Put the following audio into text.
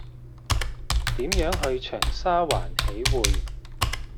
點樣去長沙灣喜薈